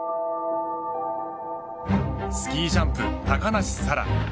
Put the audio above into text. スキージャンプ、高梨沙羅。